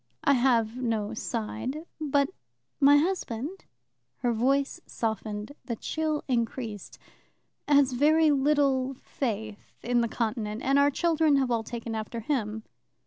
"I have no side. But my husband" her voice softened, the chill increased "has very little faith in the Continent, and our children have all taken after him."